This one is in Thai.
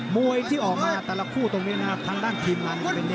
มวยที่ออกมาแต่ละคู่ตรงนี้นะทางด้านทีมงาน